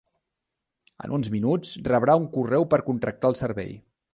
En uns minuts rebrà un correu per contractar el servei.